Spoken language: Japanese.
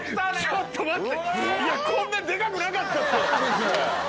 ちょっと待って！